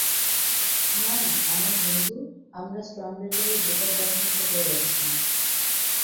না, না, আমার বন্ধু, আমরা স্টর্মব্রেকারের বেকার বাইফ্রস্টে করে যাচ্ছি না।